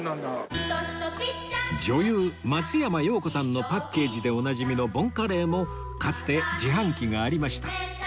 女優松山容子さんのパッケージでおなじみのボンカレーもかつて自販機がありました